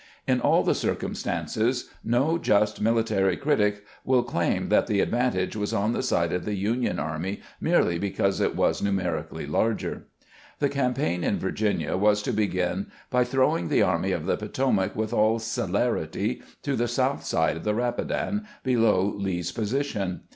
In all the circnm stances, no jnst military critic will claim that the ad vantage was on the side of the Union army merely because it was numerically larger. The campaign in Virginia was to begin by throwing the Army of the Potomac with aU. celerity to the south side of the Rapidan, below Lee's position.